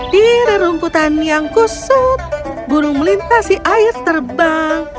di rumputan yang kusut burung melintasi air terbang